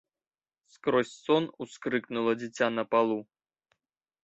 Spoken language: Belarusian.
Скрозь сон ускрыкнула дзіця на палу.